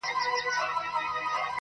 یوه ورځ یې بحث پر خوی او پر عادت سو٫